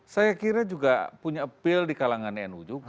saya kira juga punya appeal di kalangan nu juga